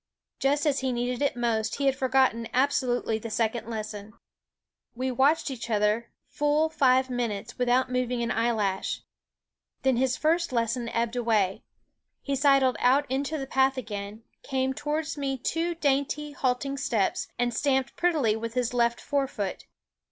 Just as he needed it most, he had forgotten absolutely the second lesson. We watched each other full five minutes without moving an eyelash. Then his first lesson ebbed away. He sidled out into the path again, came towards me two dainty, halting steps, and stamped prettily with his left fore foot.